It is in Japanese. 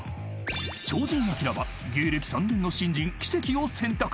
［超人アキラは芸歴３年の新人奇跡を選択！］